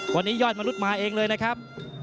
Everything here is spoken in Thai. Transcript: วันนี้ยอดมนุษย์มาเองเลยนะครับ